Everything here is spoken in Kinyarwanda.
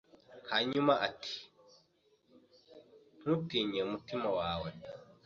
Hanyuma ati 'Ntutinye umutima wawe